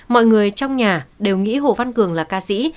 mọi người trong nhà đều nghĩ hồ văn cường là ca sĩ